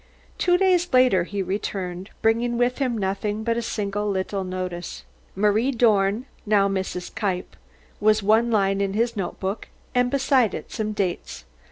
Two days later he returned, bringing with him nothing but a single little notice. "Marie Dorn, now Mrs. Kniepp," was one line in his notebook, and beside it some dates.